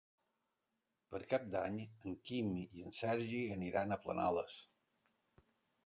Per Cap d'Any en Quim i en Sergi aniran a Planoles.